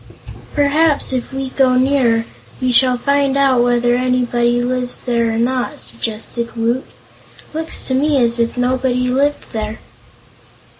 "Perhaps, if we go nearer, we shall find out whether anybody lives there or not," suggested Woot. "Looks to me as if nobody lived there."